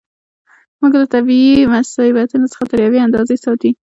موږ له طبیعي مصیبتونو څخه تر یوې اندازې ساتي.